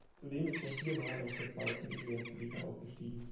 Zudem ist er viermal aus der zweiten in die erste Liga aufgestiegen.